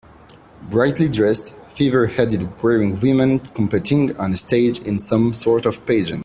Brightly dressed, feather headed wearing women competing on a stage in some sort of pagent.